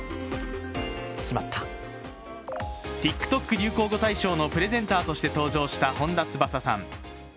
流行語大賞のプレゼンターとして登場した本田翼さん。